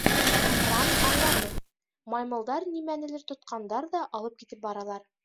Ранн аңланы: маймылдар нимәнелер тотҡандар ҙа алып китеп баралар.